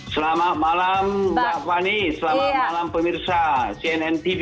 selamat malam mbak fani selamat malam pemirsa cnn tv